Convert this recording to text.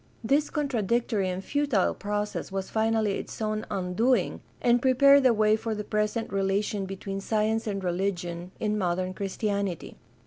— This contradictory and futile process was finally its own un doing and prepared the way for the present relation between science and religion in modern Christianity.